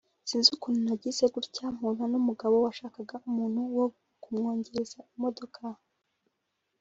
sinzi ukuntu nagize gutya mpura n’umugabo washakaga umuntu wo kumwogereza imodoka